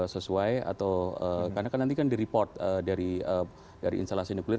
sesuai atau karena kan nanti kan di report dari instalasi nuklir